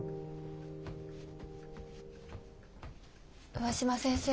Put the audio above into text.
上嶋先生